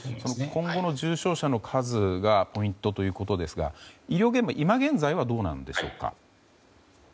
今後の重症者の数がポイントということですが医療現場、今現在はどうなんでしょうか。